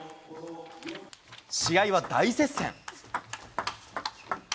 試合は大接戦。